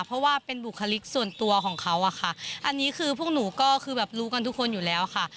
เพราะว่าเป็นบุคลิกส่วนตัวของเขาอะค่ะอันนี้คือพวกหนูก็คือแบบรู้กันทุกคนอยู่แล้วค่ะ